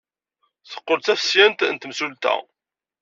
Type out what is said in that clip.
Teqqel d tafesyant n temsulta.